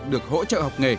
được hỗ trợ học nghề